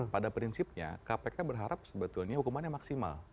pada prinsipnya kpk berharap sebetulnya hukumannya maksimal